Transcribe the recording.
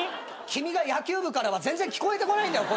君が野球部からは全然聞こえてこないんだよ